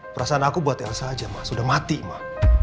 perasaan aku buat elsa aja ma sudah mati ma